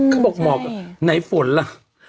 เขาบอกหมอกไหนฝนล่ะ